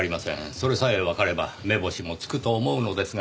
それさえわかれば目星もつくと思うのですが。